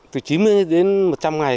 từ chín mươi đến một trăm linh ngày